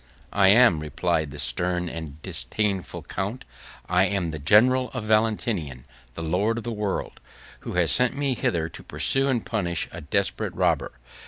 "I am," replied the stern and disdainful count, "I am the general of Valentinian, the lord of the world; who has sent me hither to pursue and punish a desperate robber.